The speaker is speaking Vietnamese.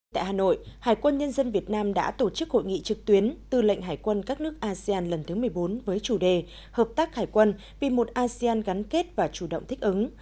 tại hà nội hải quân nhân dân việt nam đã tổ chức hội nghị trực tuyến tư lệnh hải quân các nước asean lần thứ một mươi bốn với chủ đề hợp tác hải quân vì một asean gắn kết và chủ động thích ứng